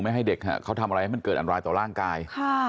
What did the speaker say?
ให้เด็กเขาทำอะไรให้มันเกิดอันตรายต่อร่างกาย